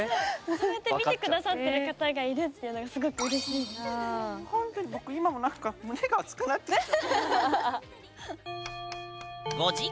そうやって見て下さってる方がいるっていうのがすごくほんとに僕今も何か胸が熱くなってきた。